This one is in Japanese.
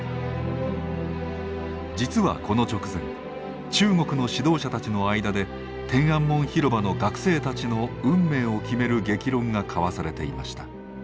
実はこの直前中国の指導者たちの間で天安門広場の学生たちの運命を決める激論が交わされていました。